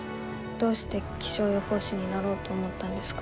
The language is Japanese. どうして気象予報士になろうと思ったんですか？